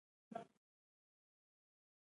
ازادي راډیو د کډوال پرمختګ سنجولی.